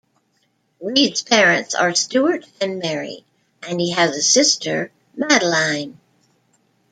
Reed's parents are Stuart and Mary, and he has a sister, Madeline.